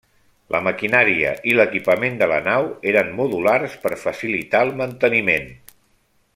La maquinària i l'equipament de la nau eren modulars per facilitar el manteniment.